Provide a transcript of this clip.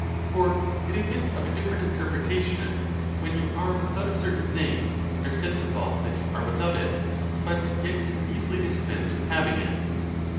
For it admits of a different interpretation, when you are without a cer tain thing, and are sensible that you are without it, but yet can easily dispense with having it.